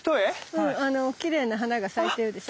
うんあのきれいな花が咲いてるでしょ？